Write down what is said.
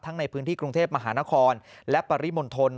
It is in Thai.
ในพื้นที่กรุงเทพมหานครและปริมณฑล